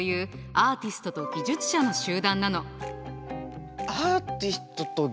アーティストと技術者の集団？